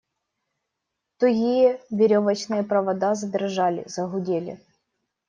Тугие веревочные провода задрожали, загудели.